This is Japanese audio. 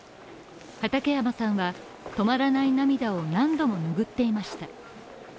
畠山さんは止まらない涙を何度も拭っていました。